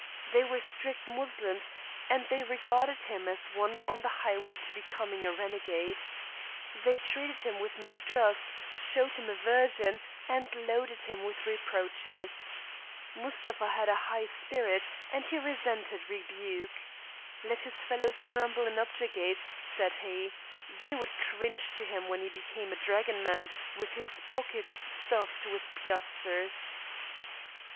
They were strict Moslems, and they regarded him as one on the highway to becoming a renegade. They treated him with mistrust, showed him aversion, and loaded him with reproaches. Mustapha had a high spirit, and he resented rebuke. Let his fellows grumble and objurgate, said he; they would cringe to him when he became a dragoman, with his pockets stuffed with piastres.